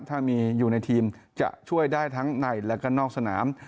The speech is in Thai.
ถ้ามีอยู่ในทีมจะช่วยได้ทั้งในและก็นอกสนาม